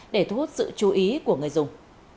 để thu hút sự chú ý của người dùng